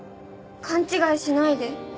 勘違いしないで。